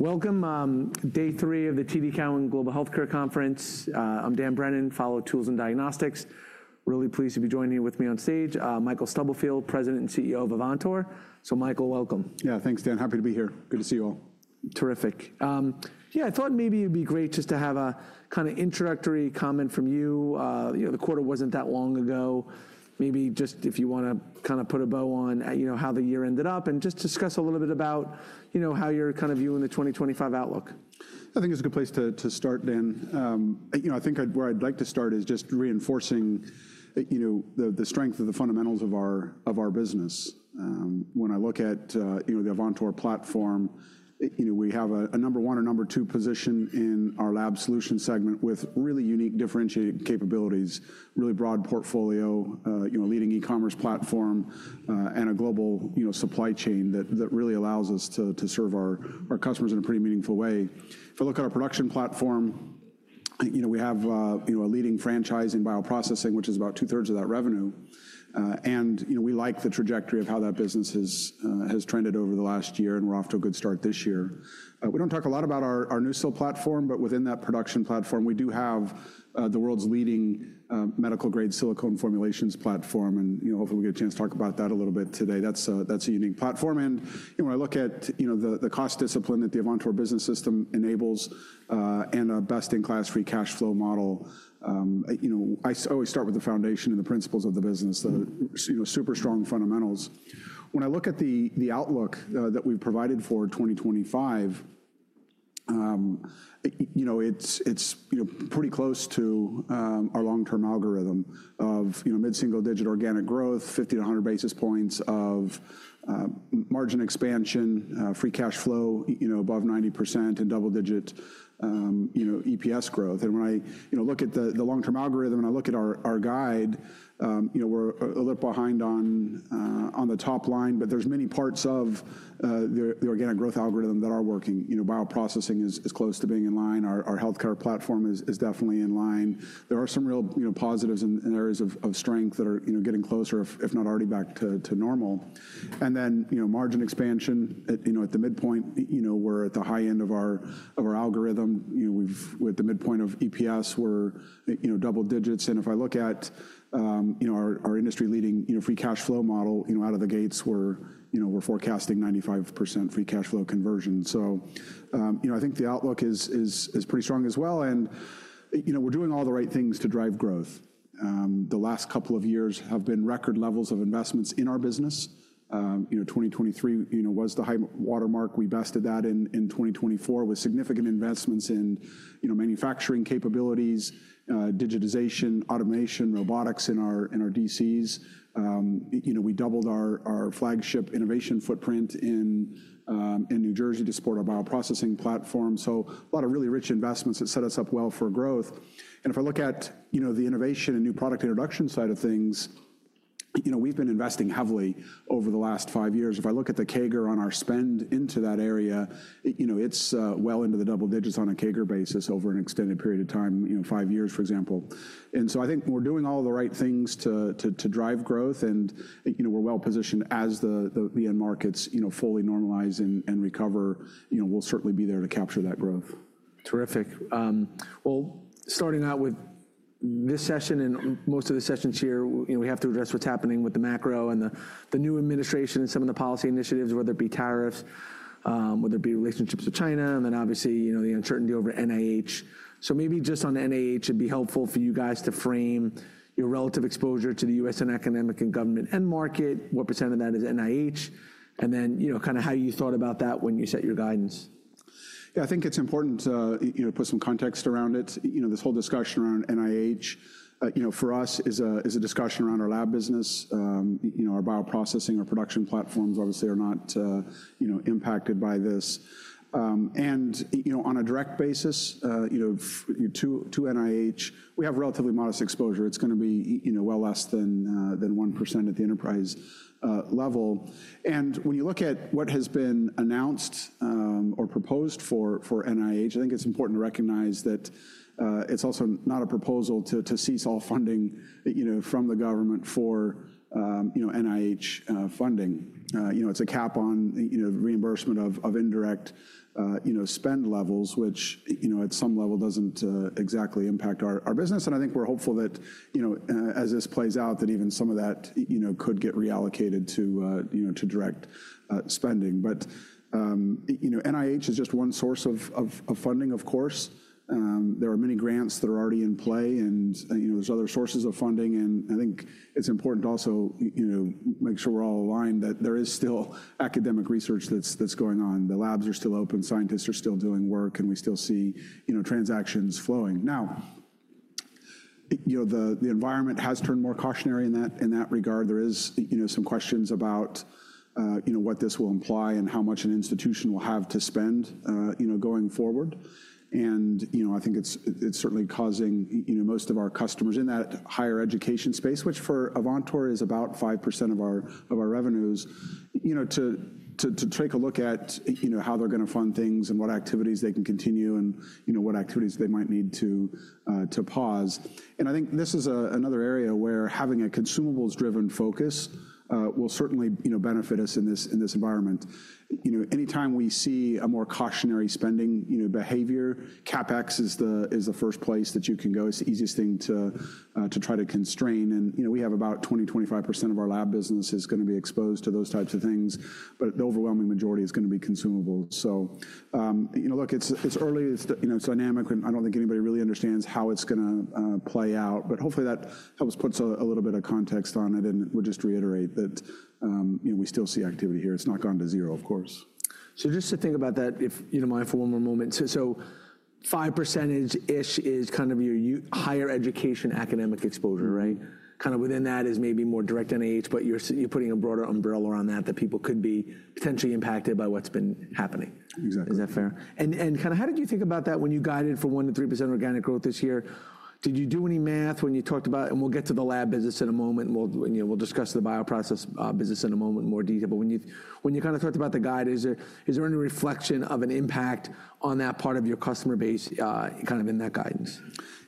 Welcome. Day three of the TD Cowen Global Healthcare Conference. I'm Dan Brennan, Fellow, Tools and Diagnostics. Really pleased to be joining you with me on stage. Michael Stubblefield, President and CEO of Avantor. So, Michael, welcome. Yeah, thanks, Dan. Happy to be here. Good to see you all. Terrific. Yeah, I thought maybe it would be great just to have a kind of introductory comment from you. The quarter wasn't that long ago. Maybe just if you want to kind of put a bow on how the year ended up and just discuss a little bit about how you're kind of viewing the 2025 outlook. I think it's a good place to start, Dan. I think where I'd like to start is just reinforcing the strength of the fundamentals of our business. When I look at the Avantor platform, we have a number one or number two position in our Lab Solutions segment with really unique differentiating capabilities, really broad portfolio, a leading e-commerce platform, and a global supply chain that really allows us to serve our customers in a pretty meaningful way. If I look at our production platform, we have a leading franchise in bioprocessing, which is about two-thirds of that revenue. And we like the trajectory of how that business has trended over the last year, and we're off to a good start this year. We don't talk a lot about our NuSil platform, but within that production platform, we do have the world's leading medical-grade silicone formulations platform. Hopefully, we'll get a chance to talk about that a little bit today. That's a unique platform. When I look at the cost discipline that the Avantor Business System enables and our best-in-class free cash flow model, I always start with the foundation and the principles of the business, the super strong fundamentals. When I look at the outlook that we've provided for 2025, it's pretty close to our long-term algorithm of mid-single-digit organic growth, 50-100 basis points of margin expansion, free cash flow above 90%, and double-digit EPS growth. When I look at the long-term algorithm and I look at our guide, we're a little behind on the top line, but there's many parts of the organic growth algorithm that are working. Bioprocessing is close to being in line. Our Healthcare platform is definitely in line. There are some real positives and areas of strength that are getting closer, if not already back to normal, and then margin expansion at the midpoint, we're at the high end of our algorithm. We're at the midpoint of EPS, we're double digits, and if I look at our industry-leading free cash flow model out of the gates, we're forecasting 95% free cash flow conversion, so I think the outlook is pretty strong as well, and we're doing all the right things to drive growth. The last couple of years have been record levels of investments in our business. 2023 was the high watermark. We bested that in 2024 with significant investments in manufacturing capabilities, digitization, automation, robotics in our DCs. We doubled our flagship innovation footprint in New Jersey to support our bioprocessing platform, so a lot of really rich investments that set us up well for growth. If I look at the innovation and new product introduction side of things, we've been investing heavily over the last five years. If I look at the CAGR on our spend into that area, it's well into the double digits on a CAGR basis over an extended period of time, five years, for example. So I think we're doing all the right things to drive growth, and we're well positioned as the end markets fully normalize and recover. We'll certainly be there to capture that growth. Terrific. Starting out with this session and most of the sessions here, we have to address what's happening with the macro and the new administration and some of the policy initiatives, whether it be tariffs, whether it be relationships with China, and then obviously the uncertainty over NIH. Maybe just on NIH, it'd be helpful for you guys to frame your relative exposure to the U.S. and economic and government and market, what % of that is NIH, and then kind of how you thought about that when you set your guidance. Yeah, I think it's important to put some context around it. This whole discussion around NIH for us is a discussion around our lab business. Our bioprocessing, our production platforms obviously are not impacted by this, and on a direct basis, to NIH, we have relatively modest exposure. It's going to be well less than 1% at the enterprise level. And when you look at what has been announced or proposed for NIH, I think it's important to recognize that it's also not a proposal to cease all funding from the government for NIH funding. It's a cap on reimbursement of indirect spend levels, which at some level doesn't exactly impact our business. And I think we're hopeful that as this plays out, that even some of that could get reallocated to direct spending, but NIH is just one source of funding, of course. There are many grants that are already in play, and there's other sources of funding. And I think it's important to also make sure we're all aligned that there is still academic research that's going on. The labs are still open. Scientists are still doing work, and we still see transactions flowing. Now, the environment has turned more cautionary in that regard. There are some questions about what this will imply and how much an institution will have to spend going forward. And I think it's certainly causing most of our customers in that higher education space, which for Avantor is about 5% of our revenues, to take a look at how they're going to fund things and what activities they can continue and what activities they might need to pause. And I think this is another area where having a consumables-driven focus will certainly benefit us in this environment. Anytime we see a more cautionary spending behavior, CapEx is the first place that you can go. It's the easiest thing to try to constrain. And we have about 20%, 25% of our lab business is going to be exposed to those types of things, but the overwhelming majority is going to be consumables. So look, it's early. It's dynamic, and I don't think anybody really understands how it's going to play out. But hopefully, that helps put a little bit of context on it. And we'll just reiterate that we still see activity here. It's not gone to zero, of course. So just to think about that, if you don't mind for one more moment. So 5%-ish is kind of your higher education academic exposure, right? Kind of within that is maybe more direct NIH, but you're putting a broader umbrella around that, that people could be potentially impacted by what's been happening. Exactly. Is that fair? And kind of how did you think about that when you guided for 1%-3% organic growth this year? Did you do any math when you talked about, and we'll get to the lab business in a moment. We'll discuss the bioprocess business in a moment in more detail. But when you kind of talked about the guide, is there any reflection of an impact on that part of your customer base kind of in that guidance?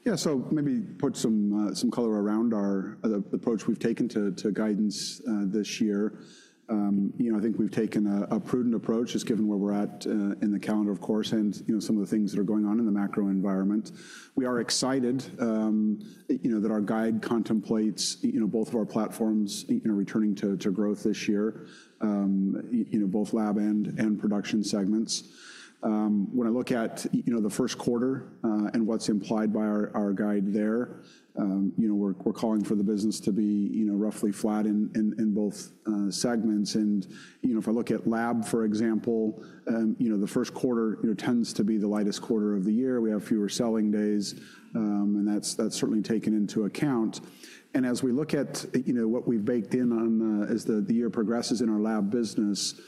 Yeah, so maybe put some color around the approach we've taken to guidance this year. I think we've taken a prudent approach just given where we're at in the calendar, of course, and some of the things that are going on in the macro environment. We are excited that our guide contemplates both of our platforms returning to growth this year, both lab and production segments. When I look at the first quarter and what's implied by our guide there, we're calling for the business to be roughly flat in both segments. And if I look at lab, for example, the first quarter tends to be the lightest quarter of the year. We have fewer selling days, and that's certainly taken into account. And as we look at what we've baked in as the year progresses in our lab business,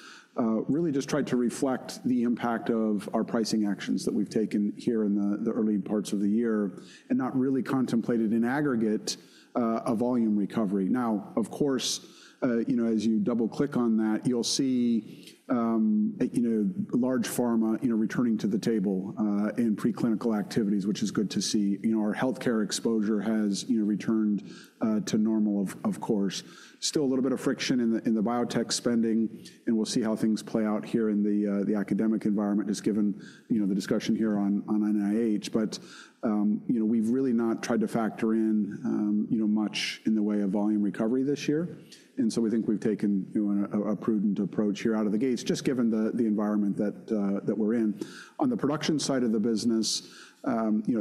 really just tried to reflect the impact of our pricing actions that we've taken here in the early parts of the year and not really contemplated in aggregate a volume recovery. Now, of course, as you double-click on that, you'll see large pharma returning to the table in preclinical activities, which is good to see. Our Healthcare exposure has returned to normal, of course. Still a little bit of friction in the biotech spending, and we'll see how things play out here in the academic environment just given the discussion here on NIH. But we've really not tried to factor in much in the way of volume recovery this year. And so we think we've taken a prudent approach here out of the gates, just given the environment that we're in. On the production side of the business,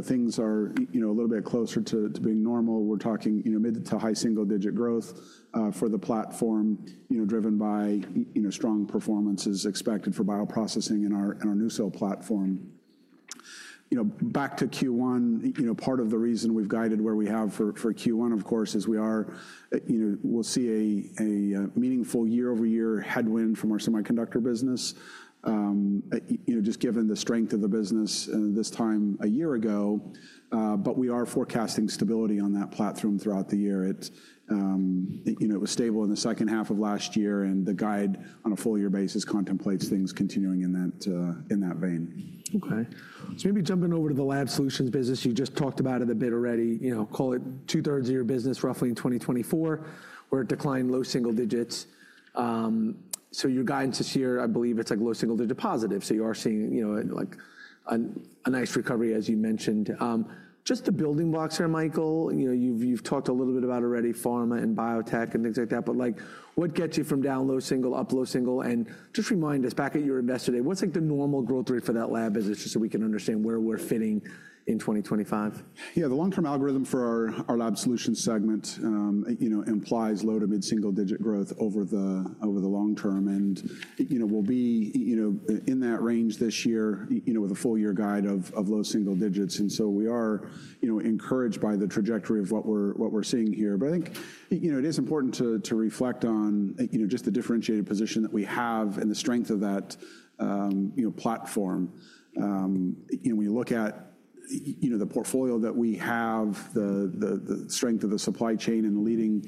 things are a little bit closer to being normal. We're talking mid to high single-digit growth for the platform driven by strong performances expected for bioprocessing in our NuSil platform. Back to Q1, part of the reason we've guided where we have for Q1, of course, is we'll see a meaningful year-over-year headwind from our semiconductor business, just given the strength of the business this time a year ago. But we are forecasting stability on that platform throughout the year. It was stable in the second half of last year, and the guide on a full-year basis contemplates things continuing in that vein. Okay. So maybe jumping over to the Lab Solutions business, you just talked about it a bit already. Call it two-thirds of your business roughly in 2024, where it declined low single digits. So your guidance this year, I believe it's like low single digit positive. So you are seeing a nice recovery, as you mentioned. Just the building blocks here, Michael, you've talked a little bit about already pharma and biotech and things like that. But what gets you from down low single, up low single? And just remind us back at your investor day, what's the normal growth rate for that lab business just so we can understand where we're fitting in 2025? Yeah, the long-term algorithm for our Lab Solutions segment implies low- to mid-single-digit growth over the long term and will be in that range this year with a full-year guide of low single digits. And so we are encouraged by the trajectory of what we're seeing here. But I think it is important to reflect on just the differentiated position that we have and the strength of that platform. When you look at the portfolio that we have, the strength of the supply chain and the leading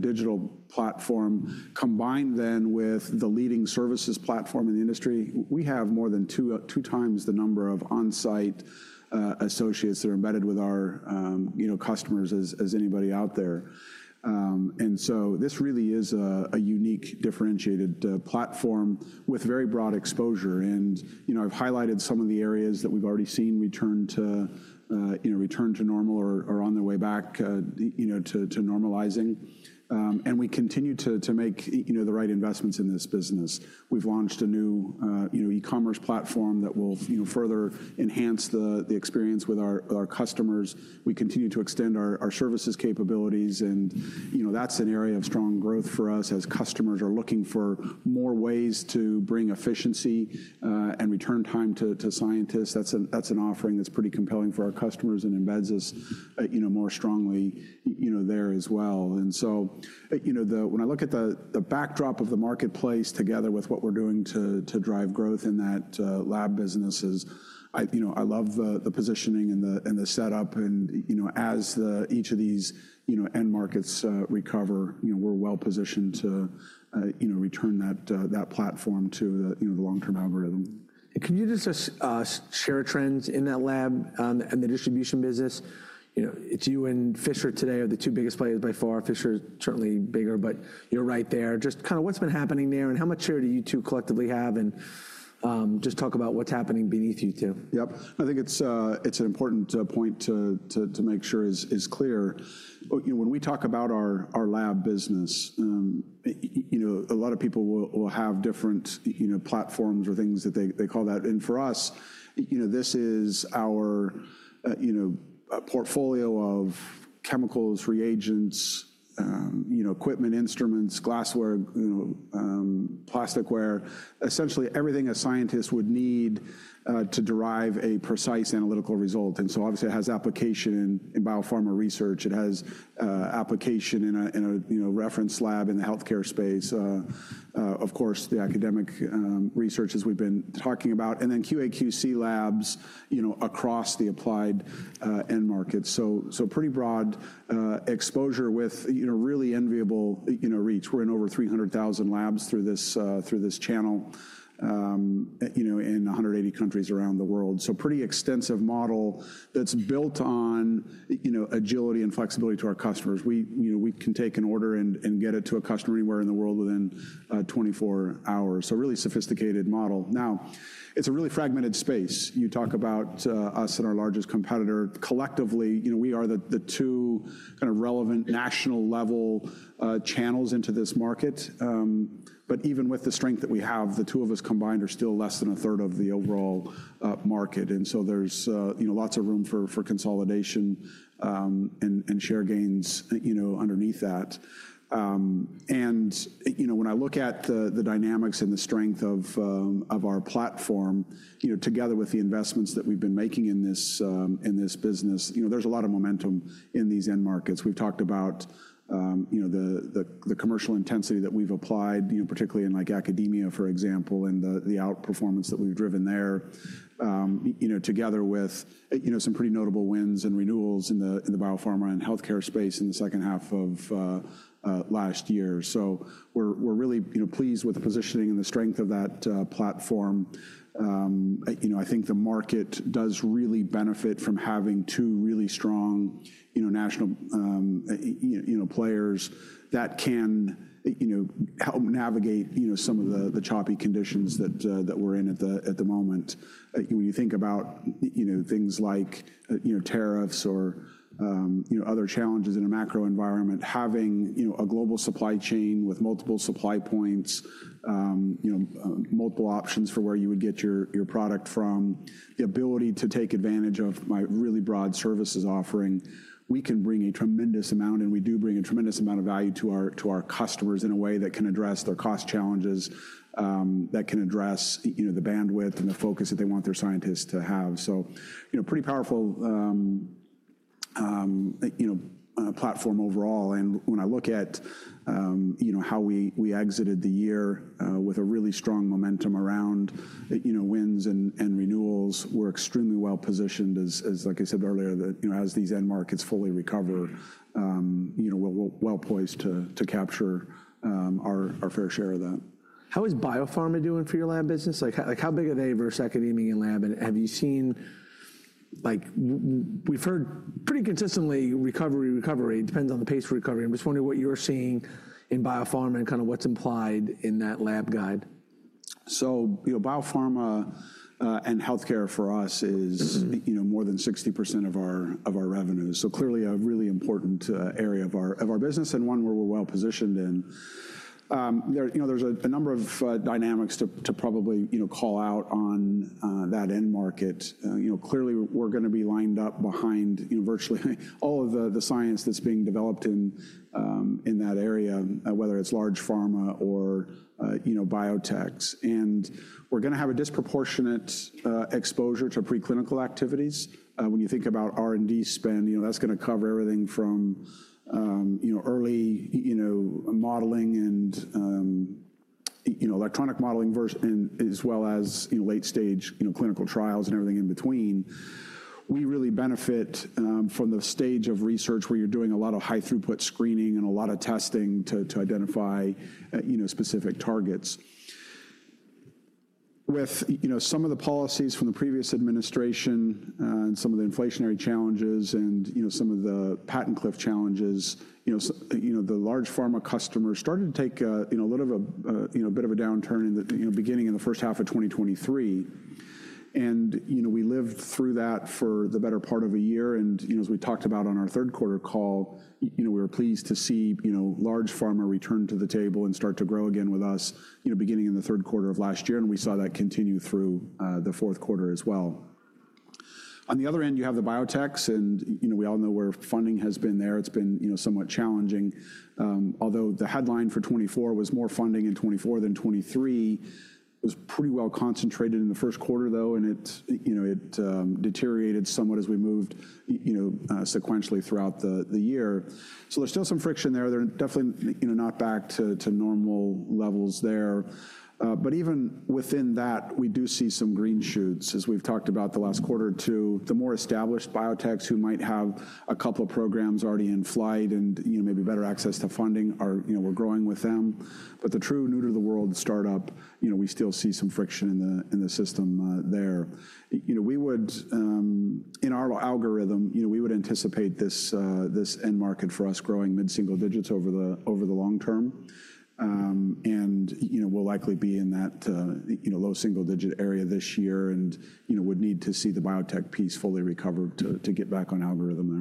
digital platform combined then with the leading services platform in the industry, we have more than two times the number of on-site associates that are embedded with our customers as anybody out there. And so this really is a unique differentiated platform with very broad exposure. I've highlighted some of the areas that we've already seen return to normal or on their way back to normalizing. We continue to make the right investments in this business. We've launched a new e-commerce platform that will further enhance the experience with our customers. We continue to extend our services capabilities. That's an area of strong growth for us as customers are looking for more ways to bring efficiency and return time to scientists. That's an offering that's pretty compelling for our customers and embeds us more strongly there as well. When I look at the backdrop of the marketplace together with what we're doing to drive growth in that lab businesses, I love the positioning and the setup. As each of these end markets recover, we're well positioned to return that platform to the long-term algorithm. Can you just share trends in that lab and the distribution business? It's you and Fisher today are the two biggest players by far. Fisher is certainly bigger, but you're right there. Just kind of what's been happening there and how much share do you two collectively have, and just talk about what's happening beneath you two. Yep. I think it's an important point to make sure is clear. When we talk about our lab business, a lot of people will have different platforms or things that they call that, and for us, this is our portfolio of chemicals, reagents, equipment, instruments, glassware, plasticware, essentially everything a scientist would need to derive a precise analytical result, and so obviously it has application in biopharma research. It has application in a reference lab in the healthcare space. Of course, the academic research as we've been talking about, and then QA/QC labs across the applied end markets, so pretty broad exposure with really enviable reach. We're in over 300,000 labs through this channel in 180 countries around the world, so pretty extensive model that's built on agility and flexibility to our customers. We can take an order and get it to a customer anywhere in the world within 24 hours. So really sophisticated model. Now, it's a really fragmented space. You talk about us and our largest competitor collectively. We are the two kind of relevant national-level channels into this market. But even with the strength that we have, the two of us combined are still less than a third of the overall market. And so there's lots of room for consolidation and share gains underneath that. And when I look at the dynamics and the strength of our platform, together with the investments that we've been making in this business, there's a lot of momentum in these end markets. We've talked about the commercial intensity that we've applied, particularly in academia, for example, and the outperformance that we've driven there, together with some pretty notable wins and renewals in the biopharma and healthcare space in the second half of last year. So we're really pleased with the positioning and the strength of that platform. I think the market does really benefit from having two really strong national players that can help navigate some of the choppy conditions that we're in at the moment. When you think about things like tariffs or other challenges in a macro environment, having a global supply chain with multiple supply points, multiple options for where you would get your product from, the ability to take advantage of our really broad services offering, we can bring a tremendous amount, and we do bring a tremendous amount of value to our customers in a way that can address their cost challenges, that can address the bandwidth and the focus that they want their scientists to have, so pretty powerful platform overall, and when I look at how we exited the year with a really strong momentum around wins and renewals, we're extremely well positioned as, like I said earlier, as these end markets fully recover, we're well poised to capture our fair share of that. How is biopharma doing for your lab business? How big are they versus academia and lab? And have you seen? We've heard pretty consistently recovery, recovery. It depends on the pace for recovery. I'm just wondering what you're seeing in biopharma and kind of what's implied in that lab guide. So biopharma and healthcare for us is more than 60% of our revenue. So clearly a really important area of our business and one where we're well positioned in. There's a number of dynamics to probably call out on that end market. Clearly, we're going to be lined up behind virtually all of the science that's being developed in that area, whether it's large pharma or biotechs. And we're going to have a disproportionate exposure to preclinical activities. When you think about R&D spend, that's going to cover everything from early modeling and electronic modeling as well as late-stage clinical trials and everything in between. We really benefit from the stage of research where you're doing a lot of high-throughput screening and a lot of testing to identify specific targets. With some of the policies from the previous administration and some of the inflationary challenges and some of the patent cliff challenges, the large pharma customers started to take a little bit of a downturn in the beginning of the first half of 2023, and we lived through that for the better part of a year, and as we talked about on our third quarter call, we were pleased to see large pharma return to the table and start to grow again with us beginning in the third quarter of last year, and we saw that continue through the fourth quarter as well. On the other end, you have the biotechs, and we all know where funding has been there. It's been somewhat challenging. Although the headline for 2024 was more funding in 2024 than 2023, it was pretty well concentrated in the first quarter, though, and it deteriorated somewhat as we moved sequentially throughout the year. So there's still some friction there. They're definitely not back to normal levels there. But even within that, we do see some green shoots, as we've talked about the last quarter or two. The more established biotechs who might have a couple of programs already in flight and maybe better access to funding, we're growing with them. But the true new-to-the-world startup, we still see some friction in the system there. In our algorithm, we would anticipate this end market for us growing mid-single digits over the long term. And we'll likely be in that low single-digit area this year and would need to see the biotech piece fully recovered to get back on algorithm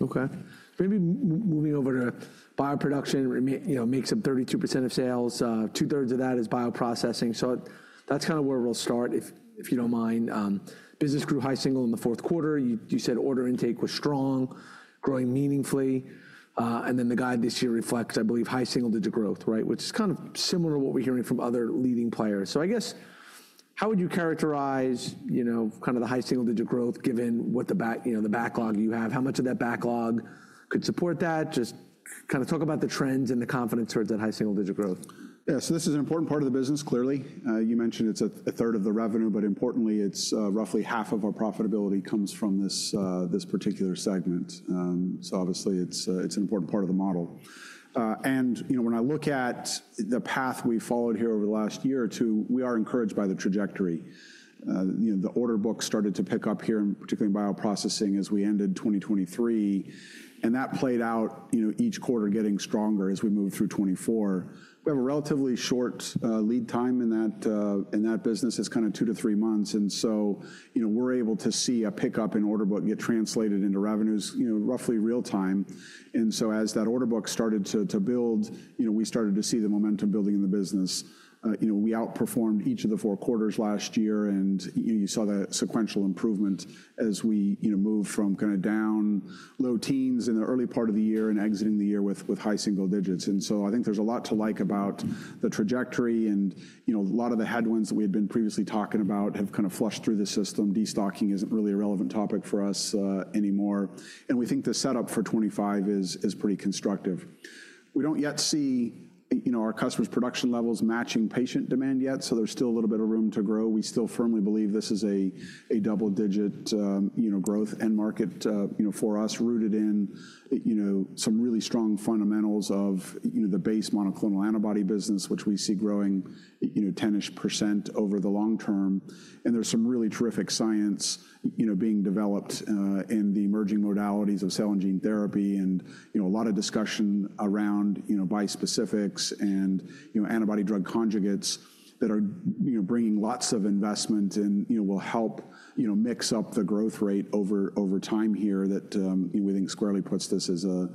there. Okay. Maybe moving over to bioproduction, makes up 32% of sales. Two-thirds of that is bioprocessing. So that's kind of where we'll start, if you don't mind. Business grew high single in the fourth quarter. You said order intake was strong, growing meaningfully. And then the guide this year reflects, I believe, high single-digit growth, right? Which is kind of similar to what we're hearing from other leading players. So I guess, how would you characterize kind of the high single-digit growth given what the backlog you have? How much of that backlog could support that? Just kind of talk about the trends and the confidence towards that high single-digit growth. Yeah. So this is an important part of the business, clearly. You mentioned it's a third of the revenue, but importantly, it's roughly half of our profitability comes from this particular segment, so obviously, it's an important part of the model, and when I look at the path we followed here over the last year or two, we are encouraged by the trajectory. The order book started to pick up here, and particularly in bioprocessing as we ended 2023, and that played out each quarter getting stronger as we moved through 2024. We have a relatively short lead time in that business. It's kind of two to three months, and so we're able to see a pickup in order book get translated into revenues roughly real time, and so as that order book started to build, we started to see the momentum building in the business. We outperformed each of the four quarters last year, and you saw that sequential improvement as we moved from kind of down low teens in the early part of the year and exiting the year with high single digits, and so I think there's a lot to like about the trajectory, and a lot of the headwinds that we had been previously talking about have kind of flushed through the system. Destocking isn't really a relevant topic for us anymore, and we think the setup for 2025 is pretty constructive. We don't yet see our customers' production levels matching patient demand yet, so there's still a little bit of room to grow. We still firmly believe this is a double-digit growth end market for us rooted in some really strong fundamentals of the base monoclonal antibody business, which we see growing 10-ish% over the long term. And there's some really terrific science being developed in the emerging modalities of cell and gene therapy and a lot of discussion around bispecifics and antibody-drug conjugates that are bringing lots of investment and will help mix up the growth rate over time here that we think squarely puts this as a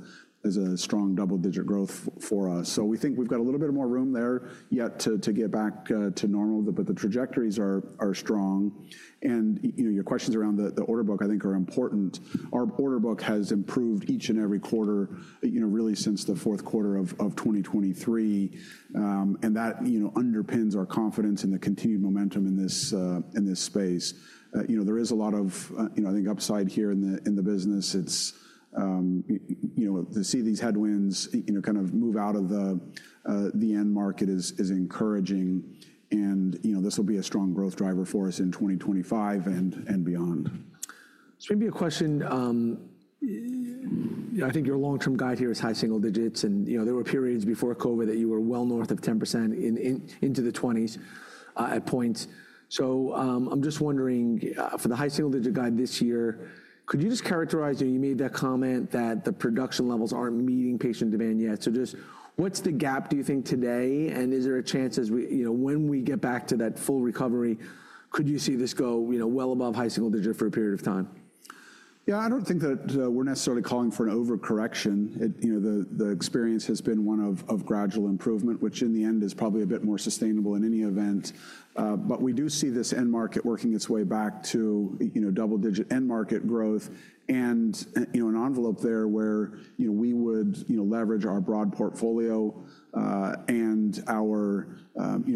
strong double-digit growth for us. So we think we've got a little bit more room there yet to get back to normal, but the trajectories are strong. And your questions around the order book, I think, are important. Our order book has improved each and every quarter really since the fourth quarter of 2023. And that underpins our confidence in the continued momentum in this space. There is a lot of, I think, upside here in the business. To see these headwinds kind of move out of the end market is encouraging. This will be a strong growth driver for us in 2025 and beyond. So maybe a question. I think your long-term guide here is high single digits. And there were periods before COVID that you were well north of 10% into the 20s at points. So I'm just wondering for the high single digit guide this year, could you just characterize? You made that comment that the production levels aren't meeting patient demand yet. So just what's the gap, do you think, today? And is there a chance when we get back to that full recovery, could you see this go well above high single digit for a period of time? Yeah, I don't think that we're necessarily calling for an overcorrection. The experience has been one of gradual improvement, which in the end is probably a bit more sustainable in any event. But we do see this end market working its way back to double-digit end market growth and an envelope there where we would leverage our broad portfolio and our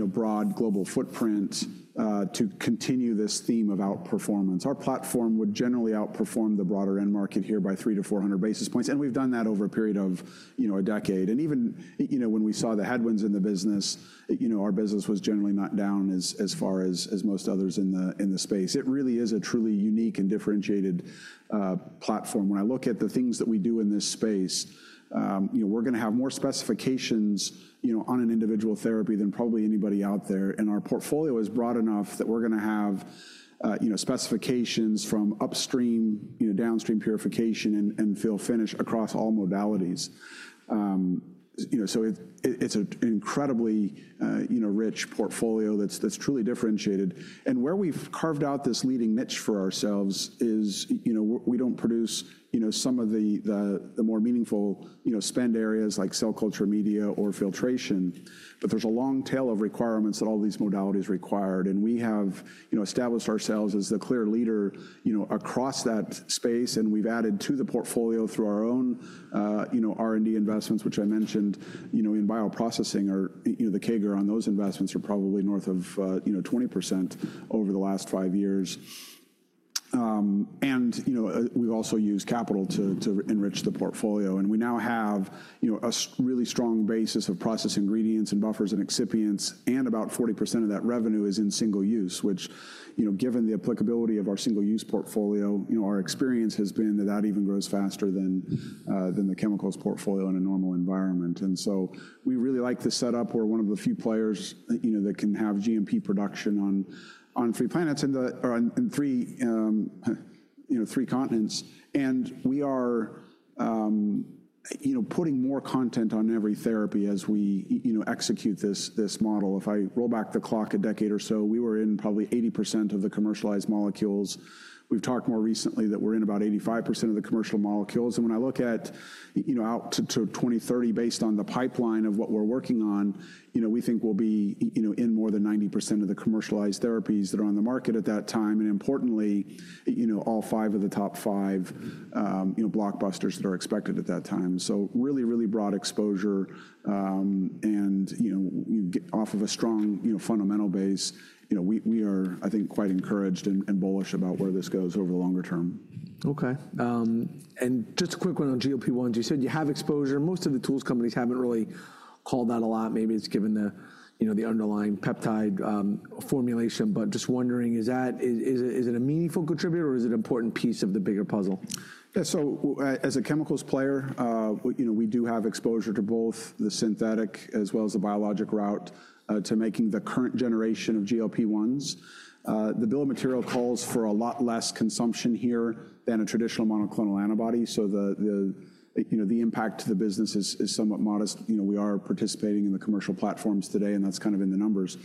broad global footprint to continue this theme of outperformance. Our platform would generally outperform the broader end market here by three to four hundred basis points. And we've done that over a period of a decade. And even when we saw the headwinds in the business, our business was generally not down as far as most others in the space. It really is a truly unique and differentiated platform. When I look at the things that we do in this space, we're going to have more specifications on an individual therapy than probably anybody out there. And our portfolio is broad enough that we're going to have specifications from upstream, downstream purification, and fill-finish across all modalities. So it's an incredibly rich portfolio that's truly differentiated. And where we've carved out this leading niche for ourselves is we don't produce some of the more meaningful spend areas like cell culture media or filtration, but there's a long tail of requirements that all these modalities required. And we have established ourselves as the clear leader across that space. And we've added to the portfolio through our own R&D investments, which I mentioned in bioprocessing, where the CAGR on those investments are probably north of 20% over the last five years. And we've also used capital to enrich the portfolio. We now have a really strong basis of process ingredients and buffers and excipients. About 40% of that revenue is in single-use, which given the applicability of our single-use portfolio, our experience has been that that even grows faster than the chemicals portfolio in a normal environment. So we really like the setup. We're one of the few players that can have GMP production on three continents and we are putting more content on every therapy as we execute this model. If I roll back the clock a decade or so, we were in probably 80% of the commercialized molecules. We've talked more recently that we're in about 85% of the commercial molecules. When I look out to 2030 based on the pipeline of what we're working on, we think we'll be in more than 90% of the commercialized therapies that are on the market at that time. Importantly, all five of the top five blockbusters that are expected at that time. Really, really broad exposure. Off of a strong fundamental base, we are, I think, quite encouraged and bullish about where this goes over the longer term. Okay. And just a quick one on GLP-1. You said you have exposure. Most of the tools companies haven't really called that a lot. Maybe it's given the underlying peptide formulation. But just wondering, is that a meaningful contributor or is it an important piece of the bigger puzzle? Yeah. So as a chemicals player, we do have exposure to both the synthetic as well as the biologic route to making the current generation of GLP-1s. The bill of material calls for a lot less consumption here than a traditional monoclonal antibody. So the impact to the business is somewhat modest. We are participating in the commercial platforms today, and that's kind of in the numbers.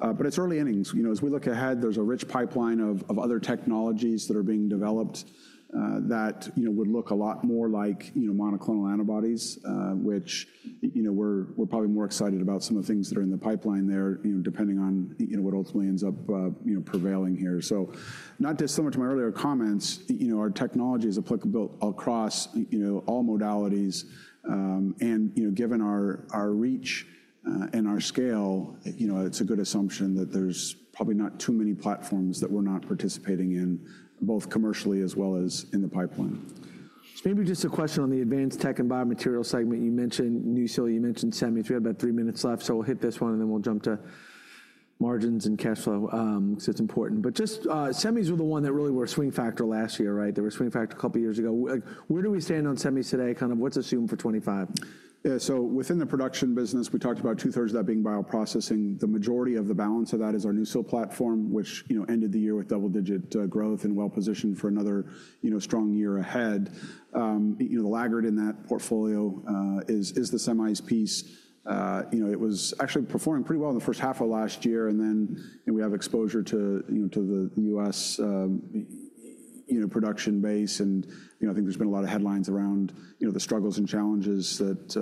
But it's early innings. As we look ahead, there's a rich pipeline of other technologies that are being developed that would look a lot more like monoclonal antibodies, which we're probably more excited about some of the things that are in the pipeline there, depending on what ultimately ends up prevailing here. So not just so much my earlier comments, our technology is applicable across all modalities. Given our reach and our scale, it's a good assumption that there's probably not too many platforms that we're not participating in, both commercially as well as in the pipeline. Maybe just a question on the Advanced Tech and Biomaterial segment. You mentioned NuSil. You mentioned semis. We have about three minutes left. So we'll hit this one and then we'll jump to margins and cash flow because it's important. But just semis were the one that really were a swing factor last year, right? They were a swing factor a couple of years ago. Where do we stand on semis today? Kind of what's assumed for 2025? Yeah. So within the production business, we talked about two-thirds of that being bioprocessing. The majority of the balance of that is our NuSil platform, which ended the year with double-digit growth and well-positioned for another strong year ahead. The laggard in that portfolio is the semis piece. It was actually performing pretty well in the first half of last year, and then we have exposure to the U.S. production base, and I think there's been a lot of headlines around the struggles and challenges that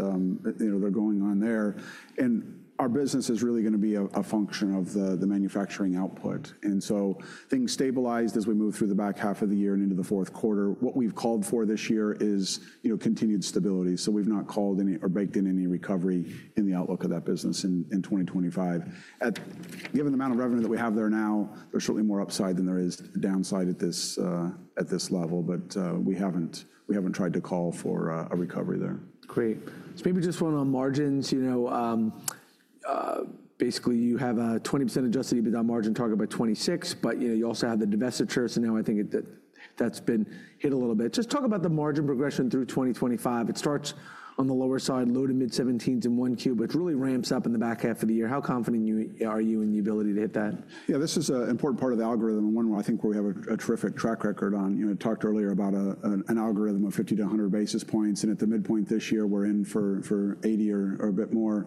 they're going on there, and our business is really going to be a function of the manufacturing output, and so things stabilized as we moved through the back half of the year and into the fourth quarter. What we've called for this year is continued stability. So we've not called any or baked in any recovery in the outlook of that business in 2025. Given the amount of revenue that we have there now, there's certainly more upside than there is downside at this level. But we haven't tried to call for a recovery there. Great. So maybe just one on margins. Basically, you have a 20% adjusted EBITDA margin target by 2026, but you also have the divestiture. So now I think that's been hit a little bit. Just talk about the margin progression through 2025. It starts on the lower side, low to mid-17s in 1Q, but really ramps up in the back half of the year. How confident are you in the ability to hit that? Yeah, this is an important part of the algorithm. One where I think we have a terrific track record on. I talked earlier about an algorithm of 50-100 basis points. And at the midpoint this year, we're in for 80 or a bit more.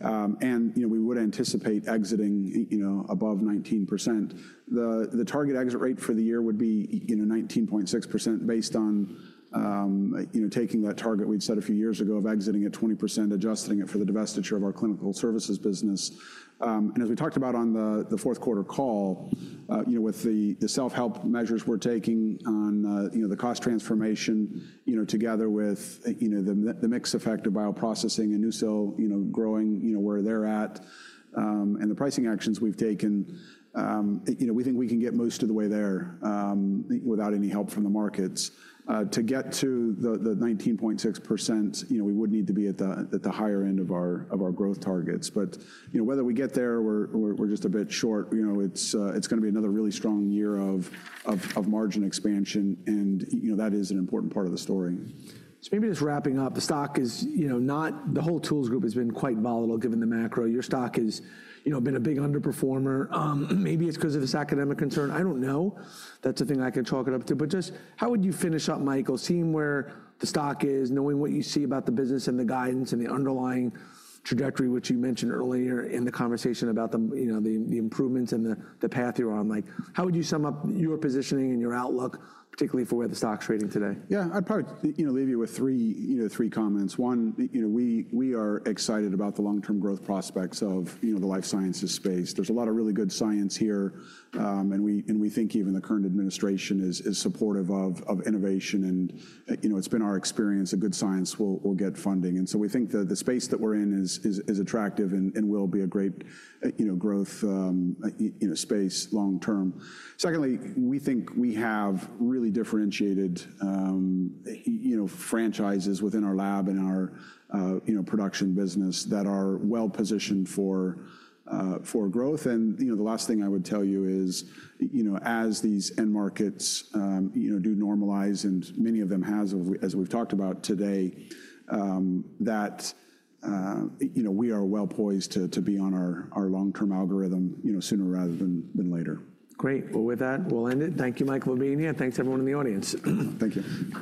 And we would anticipate exiting above 19%. The target exit rate for the year would be 19.6% based on taking that target we'd set a few years ago of exiting at 20%, adjusting it for the divestiture of our clinical services business. And as we talked about on the fourth quarter call, with the self-help measures we're taking on the cost transformation together with the mixed effect of bioprocessing and NuSil growing where they're at and the pricing actions we've taken, we think we can get most of the way there without any help from the markets. To get to the 19.6%, we would need to be at the higher end of our growth targets. But whether we get there, we're just a bit short. It's going to be another really strong year of margin expansion, and that is an important part of the story. So, maybe just wrapping up, the stock, not the whole tools group, has been quite volatile given the macro. Your stock has been a big underperformer. Maybe it's because of this academic concern. I don't know. That's a thing I can chalk it up to. But just how would you finish up, Michael? Seeing where the stock is, knowing what you see about the business and the guidance and the underlying trajectory, which you mentioned earlier in the conversation about the improvements and the path you're on, how would you sum up your positioning and your outlook, particularly for where the stock's trading today? Yeah, I'd probably leave you with three comments. One, we are excited about the long-term growth prospects of the life sciences space. There's a lot of really good science here. And we think even the current administration is supportive of innovation. And it's been our experience that good science will get funding. And so we think that the space that we're in is attractive and will be a great growth space long term. Secondly, we think we have really differentiated franchises within our lab and our production business that are well positioned for growth. And the last thing I would tell you is as these end markets do normalize, and many of them have, as we've talked about today, that we are well poised to be on our long-term algorithm sooner rather than later. Great. Well, with that, we'll end it. Thank you, Michael Stubblefield. Thanks everyone in the audience. Thank you.